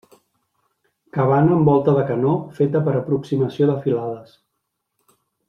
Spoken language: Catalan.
Cabana amb volta de canó feta per aproximació de filades.